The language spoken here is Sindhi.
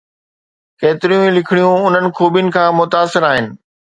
ڪيتريون ئي لکڻيون انهن خوبين کان متاثر آهن.